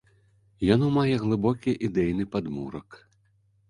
Яно мае глыбокі ідэйны падмурак.